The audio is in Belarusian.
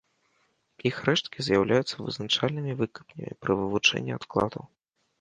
Іх рэшткі з'яўляюцца вызначальнымі выкапнямі пры вывучэнні адкладаў.